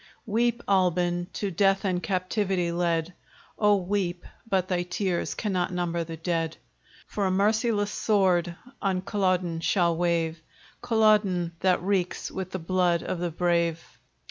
Weep, Albin! to death and captivity led! Oh weep! but thy tears cannot number the dead: For a merciless sword on Culloden shall wave, Culloden! that reeks with the blood of the brave.